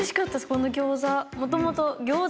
この餃子。